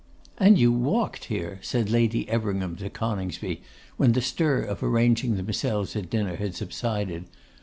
'And you walked here!' said Lady Everingham to Coningsby, when the stir of arranging themselves at dinner had subsided.